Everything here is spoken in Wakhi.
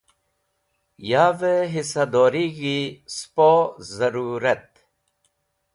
Yavẽ hisadorig̃hi spo zẽrũrat.